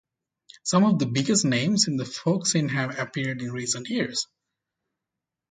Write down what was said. Some of the biggest names in the folk scene have appeared in recent years.